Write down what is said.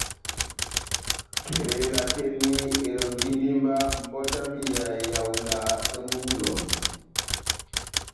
Tela tɛ́h eni elɔ́njindi mba mbɔti yami ya ehawula bwámu bó eloŋjɔ.